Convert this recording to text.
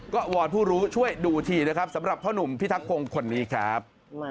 ก็วอนผู้รู้ช่วยดูทีนะครับสำหรับพ่อหนุ่มพิทักพงศ์คนนี้ครับ